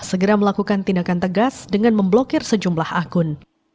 segera melakukan tindakan tegas dengan memblokir sejumlah akun